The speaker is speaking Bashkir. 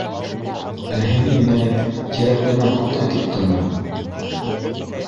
Ә һин, инәй, Тирәкленән күптән киттеңме?